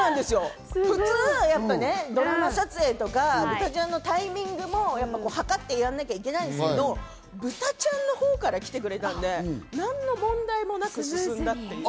普通、ドラマ撮影とか豚ちゃんのタイミングもはかってやらなきゃいけないんですけど、豚ちゃんのほうから来てくれたので、何の問題もなく進んだっていう。